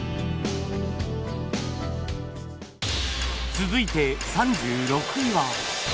続いて３６位は